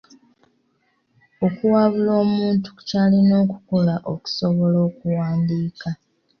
Okuwabula omuntu ku ky'alina okukola okusobola okuwandiika.